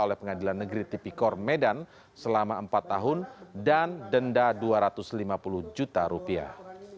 oleh pengadilan negeri tipikor medan selama empat tahun dan denda dua ratus lima puluh juta rupiah